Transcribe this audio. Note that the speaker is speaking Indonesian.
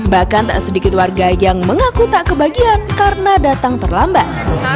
bahkan tak sedikit warga yang mengaku tak kebagian karena datang terlambat